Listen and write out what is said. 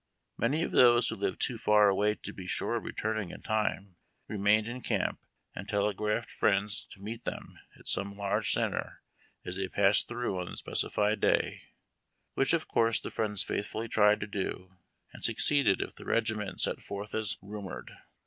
Many of those wlio lived too far away to be sure of returning in time, remained in camp, and telegraphed friends to meet them at some large centre, as they passed through on the specified day, which of course the friends faithfully tried to do, and succeeded if the regiment set forth as rumored.